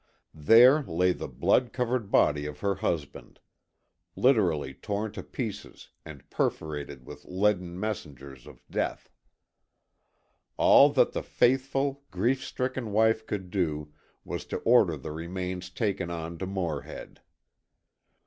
There lay the blood covered body of her husband, literally torn to pieces and perforated with leaden messengers of death. All that the faithful, grief stricken wife could do was to order the remains taken on to Morehead.